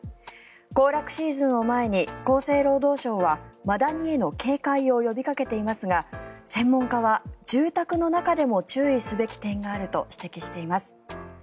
行楽シーズンを前に厚生労働省はマダニへの警戒を呼びかけていますが専門家は住宅の中でも注意すべき点があると指摘しています。